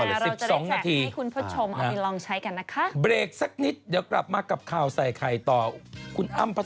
ไม่แล้วแดนนี่ใส่ชุดแบบชุดราตีด้วยนะคะคุณยาว